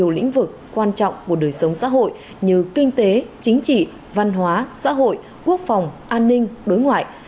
nhiều lĩnh vực quan trọng của đời sống xã hội như kinh tế chính trị văn hóa xã hội quốc phòng an ninh đối ngoại